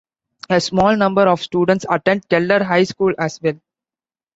A small number of students attend Keller High School as well.